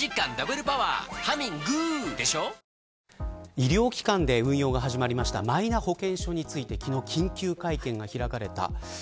医療機関で運用が始まったマイナ保険証について昨日、緊急会見が開かれた。